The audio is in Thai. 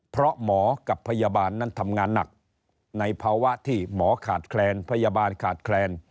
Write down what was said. เพราะหมอกับพยาบาลนั้นทำงานหนักในภาวะที่หมอขาดแคลนพยาบาลขาดแคลน